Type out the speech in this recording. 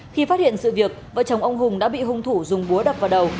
khi phát hiện sự việc vợ chồng ông hùng đã bị hung thủ dùng búa đập vào đầu